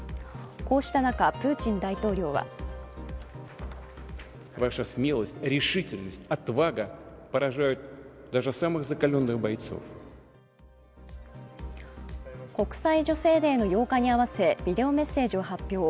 こうした中、プーチン大統領は国際女性デーの８日に合わせビデオメッセージを発表。